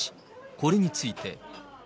これについて。